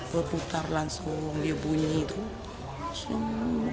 berputar langsung dia bunyi tuh